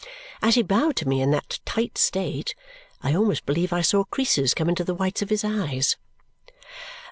As he bowed to me in that tight state, I almost believe I saw creases come into the whites of his eyes.